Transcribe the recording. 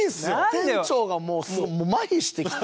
店長がもう麻痺してきて。